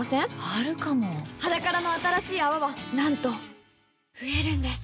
あるかも「ｈａｄａｋａｒａ」の新しい泡はなんと増えるんです